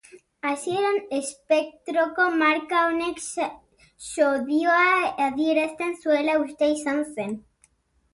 Hasieran espektroko marka honek sodioa adierazten zuela uste izan zen.